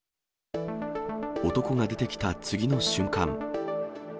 男が出てきた次の瞬間。